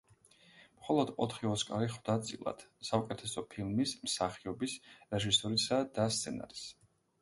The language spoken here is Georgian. მხოლოდ ოთხი ოსკარი ხვდა წილად – საუკეთესო ფილმის, მსახიობის, რეჟისორისა და სცენარის.